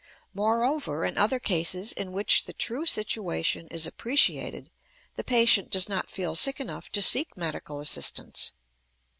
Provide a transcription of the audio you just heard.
Moreover, in other cases in which the true situation is appreciated the patient does not feel sick enough to seek medical assistance.